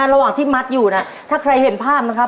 ระหว่างที่มัดอยู่นะถ้าใครเห็นภาพนะครับ